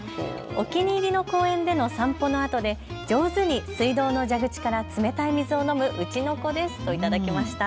お気に入りの公園での散歩のあとで上手に水道の蛇口から冷たい水を飲むウチの子ですといただきました。